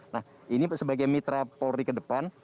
nah ini sebagai mitra polri ke depan